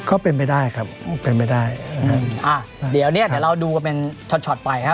ก็เป็นไปได้ครับเป็นไปได้อืมอ่าเดี๋ยวเนี้ยเดี๋ยวเราดูกันเป็นช็อตไปฮะ